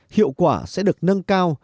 hiệu quả sẽ được nâng cao